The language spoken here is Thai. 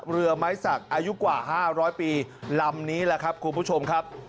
เรือไม้สักอายุกว่า๕๐๐ปีลำนี้แหละครับคุณผู้ชมครับ